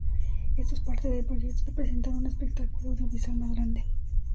Esto es parte de el proyecto de presentar un espectáculo audiovisual más grande.